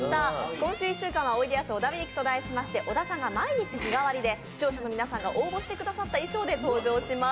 今週１週間は「おいでやす小田ウイーク」と題しまして小田さんが毎日日替わりで視聴者の皆さんが応募してくださった衣装で登場します。